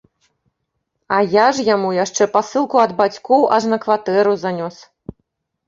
А я ж яму яшчэ пасылку ад бацькоў аж на кватэру занёс.